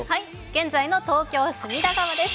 現在の東京・隅田川です。